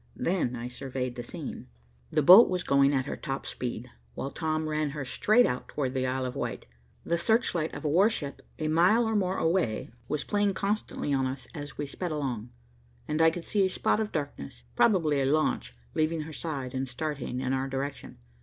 Then I surveyed the scene. The boat was going at her top speed, while Tom ran her straight out towards the Isle of Wight. The search light of a warship a mile or more away was playing constantly on us as we sped along, and I could see a spot of darkness, probably a launch, leaving her side and starting in our direction.